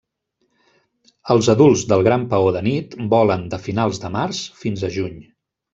Els adults del gran paó de nit volen de finals de març fins a juny.